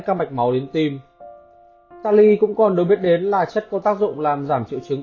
cansi maze và kali đều là những chất cần thiết cho sức khỏe của xương